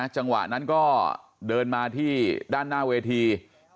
จังหวะนั้นก็เดินมาที่ด้านหน้าเวที